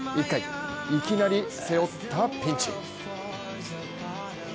いきなり背負ったピンチ。